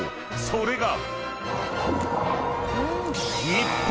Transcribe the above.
［それが］